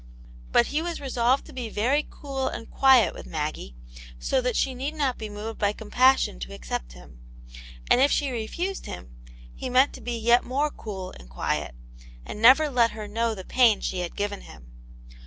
But he was resolved to be very cool and quiet with Maggie, so that she need not be moved by com passion to accept him. And if she refused him, he meant to be yet more cool and quiet, and never let her know the pain she had given him.